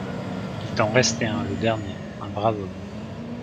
Il t’en restait un… le dernier… un brave homme…